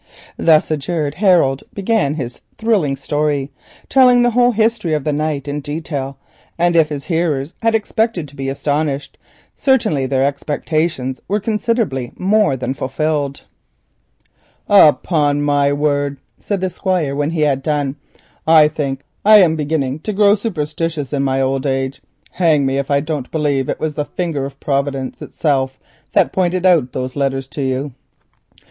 Thus adjured, Harold began his thrilling story, telling the whole history of the night in detail, and if his hearers had expected to be astonished certainly their expectations were considerably more than fulfilled. "Upon my word," said the Squire when he had done, "I think I am beginning to grow superstitious in my old age. Hang me if I don't believe it was the finger of Providence itself that pointed out those letters to you.